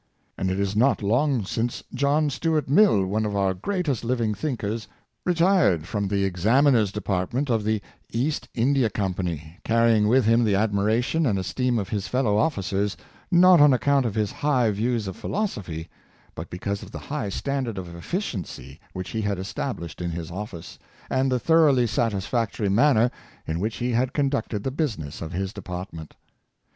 And it is not long since John Stuart Mill, one of our greatest living thinkers, retired from the Examiner's department of the East India Company, carrying with him the admiration and es teem of his fellow officers, not on account of his high Success in Business. 361 views of philosophy, but because of the high standard of efficiency which he had estabHshed in his office, and the thoroughly satisfactory manner in which he had conducted the business of his department.